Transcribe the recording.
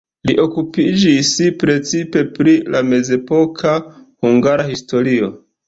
Li okupiĝis precipe pri la mezepoka hungara historio.